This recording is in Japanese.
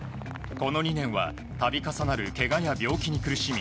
この２年は度重なるけがや病気に苦しみ